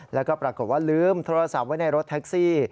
แล้วก็ปรากฏว่าลืมโทรศัพท์ไว้ในรถแท็กซี่